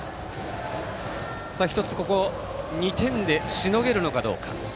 ここ２点でしのげるのかどうか。